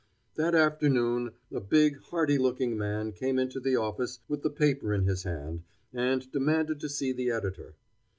That afternoon a big, hearty looking man came into the office with the paper in his hand, and demanded to see the editor.